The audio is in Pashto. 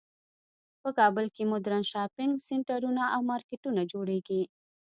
په کابل کې مدرن شاپینګ سینټرونه او مارکیټونه جوړیږی